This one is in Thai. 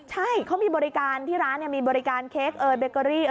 ใช่เขามีบริการที่ร้านมีบริการเค้กเอยเบเกอรี่